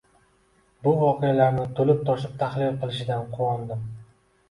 U voqealarni to’lib-toshib tahlil qilishidan quvondim.